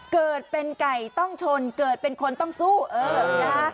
เกิดเป็นไก่ต้องชนเกิดเป็นคนต้องสู้เออนะคะ